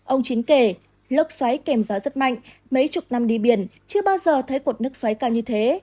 ông chín kể lốc xoáy kèm gió rất mạnh mấy chục năm đi biển chưa bao giờ thấy cột nước xoáy cao như thế